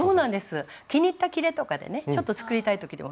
気に入ったきれとかでねちょっと作りたい時でもいいですね。